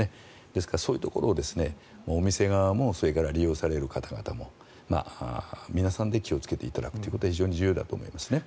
ですから、そういうところをお店側も、利用される方々も皆さんで気をつけていただくということが非常に大事だと思いますね。